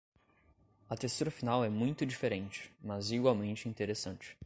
A textura final é muito diferente, mas igualmente interessante.